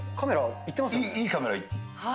いいカメラ。